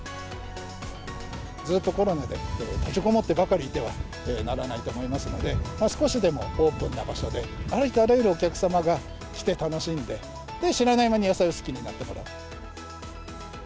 ずっとコロナで閉じこもってばかりいてはならないと思いますので、少しでもオープンな場所で、ありとあらゆるお客様が来て楽しんで、知らない間に野菜を好きになってもらう。